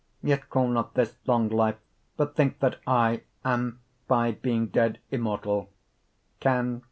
Yet call not this long life; But thinke that I Am, by being dead, Immortall; Can ghosts die?